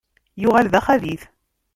Yuɣal d axabit.